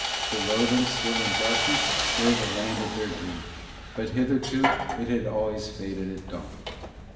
Below them still in darkness lay the land of their dream, but hitherto it had always faded at dawn.